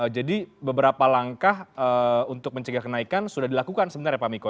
jadi beberapa langkah untuk mencegah kenaikan sudah dilakukan sebenarnya pak miko